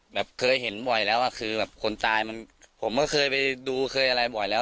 แบบเคยเห็นบ่อยแล้วอ่ะคือแบบคนตายมันผมก็เคยไปดูเคยอะไรบ่อยแล้ว